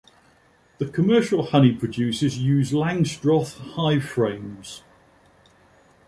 The commercial honey producers use Langstroth hive frames.